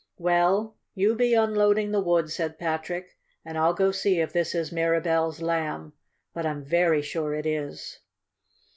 "Well, you be unloading the wood," said Patrick, "and I'll go see if this is Mirabell's Lamb. But I am very sure it is."